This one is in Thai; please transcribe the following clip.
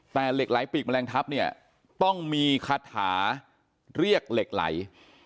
แต่เหล็กไหลปีกแมลงทัพเนี่ยต้องมีคาถาเรียกเหล็กไหล